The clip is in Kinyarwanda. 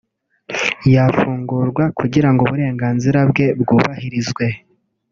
yafungurwa kugira ngo uburenganzira bwe bwubahirizwe